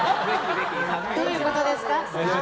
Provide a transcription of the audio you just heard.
どういうことですか。